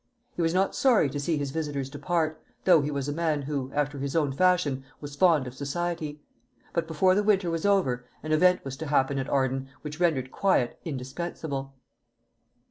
He was not sorry to see his visitors depart, though he was a man who, after his own fashion, was fond of society. But before the winter was over, an event was to happen at Arden which rendered quiet indispensable.